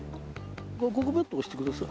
ここブッと押してください。